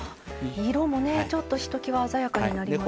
色もねひときわ鮮やかになりました。